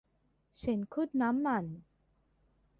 เช่น ขุดน้ำมัน